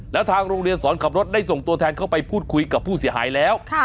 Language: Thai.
แล้วทางโรงเรียนสอนขับรถได้ส่งตัวแทนเข้าไปพูดคุยกับผู้เสียหายแล้ว